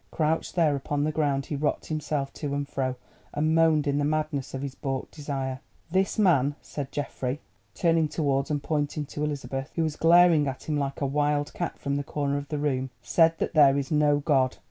Crouched there upon the ground he rocked himself to and fro, and moaned in the madness of his baulked desire. "This man," said Geoffrey, turning towards and pointing to Elizabeth, who was glaring at him like a wild cat from the corner of the room, "said that there is no God.